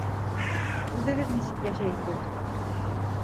Үҙегеҙ нисек йәшәйһегеҙ.